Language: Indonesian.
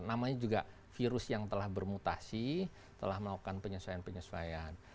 namanya juga virus yang telah bermutasi telah melakukan penyesuaian penyesuaian